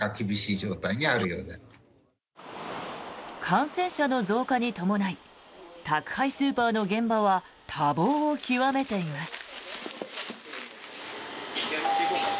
感染者の増加に伴い宅配スーパーの現場は多忙を極めています。